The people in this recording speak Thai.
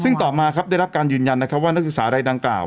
ซึ่งต่อมาครับได้รับการยืนยันว่านักศึกษารายดังกล่าว